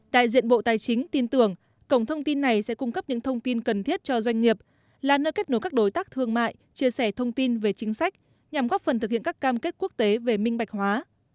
đại diện bộ tài chính tin tưởng cổng thông tin này sẽ cung cấp những thông tin cần thiết cho doanh nghiệp là nơi kết nối các đối tác thương mại chia sẻ thông tin về chính sách nhằm góp phần thực hiện các cam kết quốc tế về minh bạch hóa